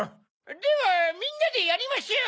ではみんなでやりましょう！